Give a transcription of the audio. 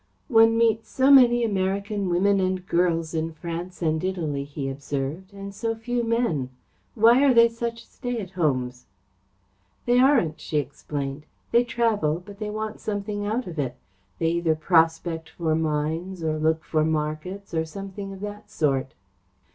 "One meets so many American women and girls in France and Italy," he observed, "and so few men. Why are they such stay at homes?" "They aren't," she explained. "They travel, but they want something out of it. They either prospect for mines, or look for markets, or something of that sort."